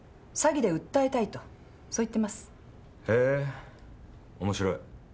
へえ面白い。